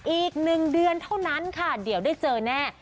อีก๑เดือนเท่านั้นค่ะเดี๋ยวได้เจอแน่